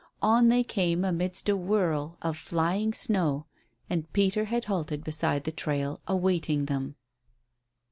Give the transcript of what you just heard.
On they came amidst a whirl of flying snow, and Peter had halted beside the trail awaiting them.